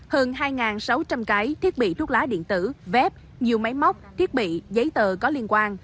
hơn hai sáu trăm linh cái thiết bị thuốc lá điện tử vép nhiều máy móc thiết bị giấy tờ có liên quan